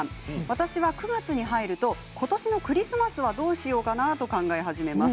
私は９月に入ると、ことしのクリスマスはどうしようかなと考えます。